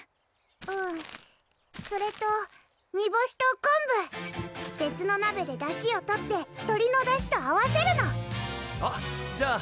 うんそれとにぼしとこんぶ別の鍋でだしを取って鶏のだしと合わせるのあっじゃあ